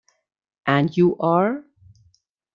And you are?